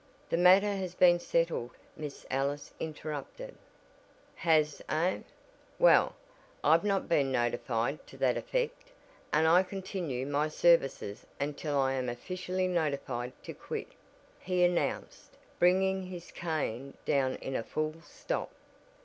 "The matter has been settled." Miss Ellis interrupted. "Has, eh? Well, I've not been notified to that effect and I continue my services until I am officially notified to quit," he announced, bringing his cane down in a "full stop."